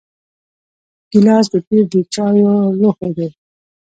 ګیلاس د پیر د چایو لوښی دی.